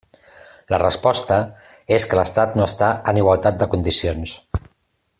La resposta és que l'Estat no està en igualtat de condicions.